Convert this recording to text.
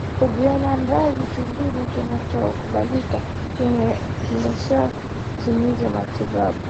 kujionda Mradi kipimo kinachokubalika kimeshatimizwa matibabu